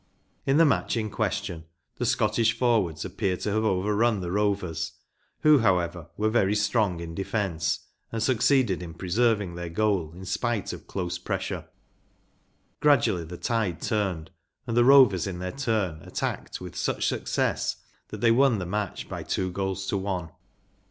In the match in question the Scottish forwards appear to have overrun the Rovers, who, however, were very strong in defence, and succeeded in preserving their goal in spite of close pressure* Gradually the tide turned, and the Rovers in their turn attacked with such success that tfyey won the match by two goals to one.